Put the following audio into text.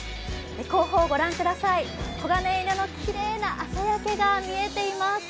後方を御覧ください、黄金色のきれいな朝焼けが見えています。